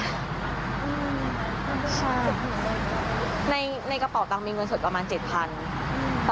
ใช่ในกระเป๋าตังค์มีเงินสดประมาณเจ็ดพัน